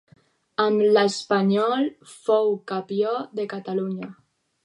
Amb l'Espanyol fou campió de Catalunya.